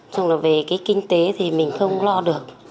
xong rồi về cái kinh tế thì mình không lo được